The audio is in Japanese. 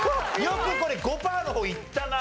よくこれ５パーの方いったな。